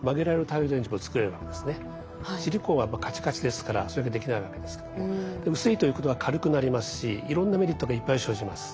シリコンはカチカチですからそれができないわけですけども薄いということは軽くなりますしいろんなメリットがいっぱい生じます。